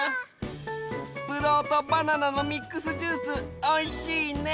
ぶどうとバナナのミックスジュースおいしいね。